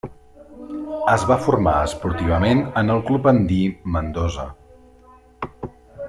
Es va formar esportivament en el Club Andí Mendoza.